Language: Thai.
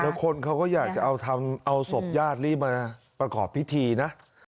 แล้วคนเขาก็อยากจะเอาทำเอาศพญาติรีบมาประกอบพิธีนะ